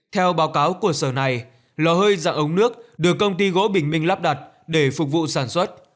theo báo cáo của sở này lò hơi dạng ống nước được công ty gỗ bình minh lắp đặt để phục vụ sản xuất